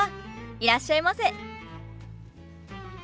いらっしゃいませ。